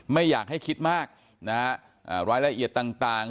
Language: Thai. ไม่อยากให้คิดมากนะฮะรายละเอียดต่าง